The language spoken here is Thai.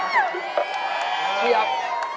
เชียบ